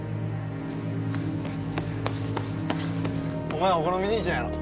お前お好み兄ちゃんやろ。